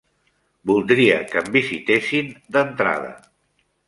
Voldria que em visitessin d'entrada.